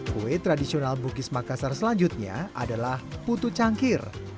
kue tradisional bugis makassar selanjutnya adalah putu cangkir